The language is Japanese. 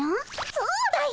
そうだよ。